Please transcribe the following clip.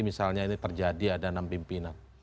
misalnya ini terjadi ada enam pimpinan